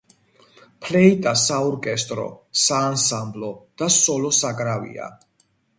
ფლეიტა საორკესტრო, საანსამბლო და სოლო საკრავია.